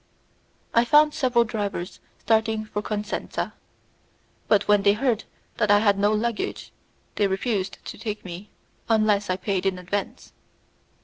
I found several drivers starting for Cosenza, but when they heard that I had no luggage, they refused to take me, unless I paid in advance.